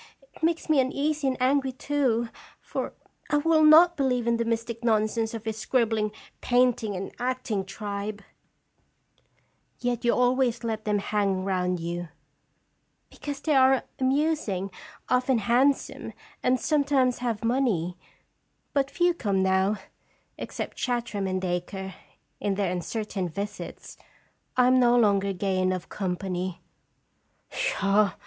It makes me un easy, and angry, too; for I will not believe in the * mystic* nonsense of his scribbling, paint ing, and acting tribe." Bender. 77 " Yet you always let them hang round you." "Because they are amusing, often hand some, and sometimes have money. But few come now, except Chartram and Dacre, in their uncertain visits. I am no longer gay enough company." " Pshaw!